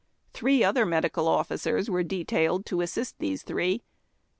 Three other medical officers were detailed to assist these three.